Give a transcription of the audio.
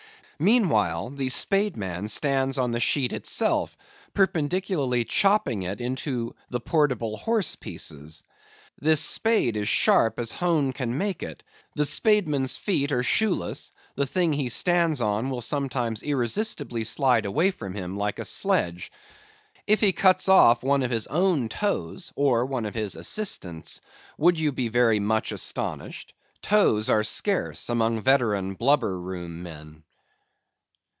Meanwhile, the spade man stands on the sheet itself, perpendicularly chopping it into the portable horse pieces. This spade is sharp as hone can make it; the spademan's feet are shoeless; the thing he stands on will sometimes irresistibly slide away from him, like a sledge. If he cuts off one of his own toes, or one of his assistants', would you be very much astonished? Toes are scarce among veteran blubber room men.